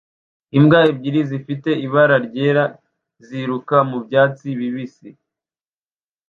Imbwa ebyiri zifite ibara ryera ziruka mu byatsi bibisi